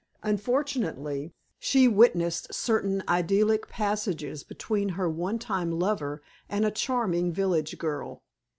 Unfortunately, she witnessed certain idyllic passages between her one time lover and a charming village girl.